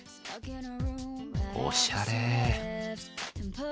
おしゃれ。